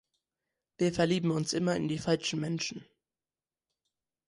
Wir verlieben uns immer in die falschen Menschen.